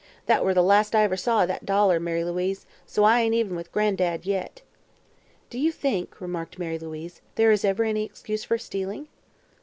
That were the last I ever saw o' that dollar, Mary Louise, so I ain't even with Gran'dad yet." "Do you think," remarked Mary Louise, "there is ever any excuse for stealing?"